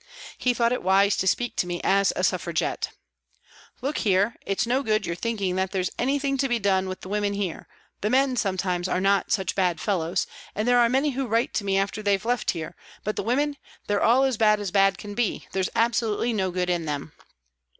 He thought it wise to speak to me as a " Suffragette." " Look 266 PRISONS AND PRISONERS here, it's no good your thinking that there's any thing to be done with the women here the men sometimes are not such bad fellows, and there are many who write to me after they've left here, but the women, they're all as bad as bad can be, there's absolutely no good in them."